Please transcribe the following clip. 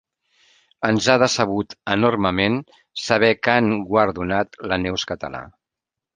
Ens ha decebut enormement saber que han guardonat la Neus Català.